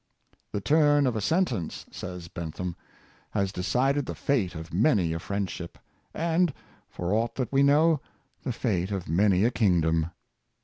" The turn of a sentence,'' says Bentham, " has decided the fate of many a friend ship, and, for aught that we know, the fate of many a kingdom."